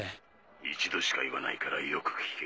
一度しか言わないからよく聞け。